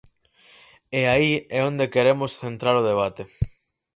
E aí é onde queremos centrar o debate.